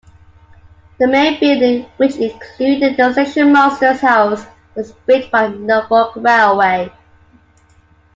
The main building, which included the Stationmaster's house was built by the Norfolk Railway.